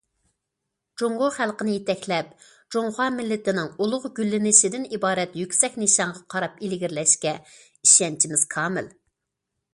جۇڭگو خەلقىنى يېتەكلەپ، جۇڭخۇا مىللىتىنىڭ ئۇلۇغ گۈللىنىشىدىن ئىبارەت يۈكسەك نىشانغا قاراپ ئىلگىرىلەشكە ئىشەنچىمىز كامىل.